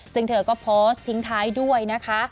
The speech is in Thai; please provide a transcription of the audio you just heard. ซึ่งเธอก็โพสต์ทิ้งท้ายด้วยนะคะ